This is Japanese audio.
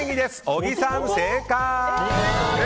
小木さん、正解！